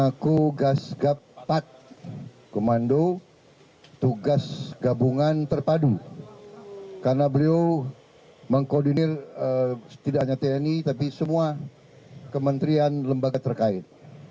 mengaku gasgappat komando tugas gabungan terpadu karena beliau mengkoordinir tidak hanya tni tapi semua kementerian lembaga terkait